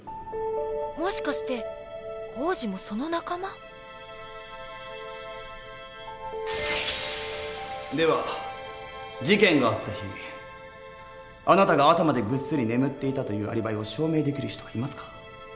もしかして王子もその仲間？では事件があった日あなたが朝までぐっすり眠っていたというアリバイを証明できる人はいますか？